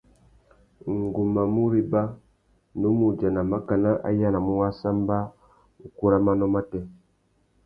Ngu má mù réba, nnú mù udjana makana a yānamú wāssamba ukú râ manô matê.